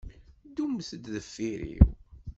Ddumt-d deffir-iw.